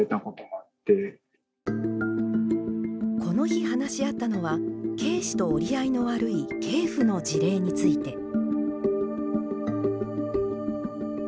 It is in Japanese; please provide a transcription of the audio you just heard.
この日話し合ったのは継子と折り合いの悪い継父の事例について。